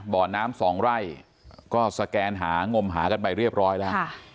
บ่อน้ำสองไร่ก็สแกนหางมหากันไปเรียบร้อยแล้ว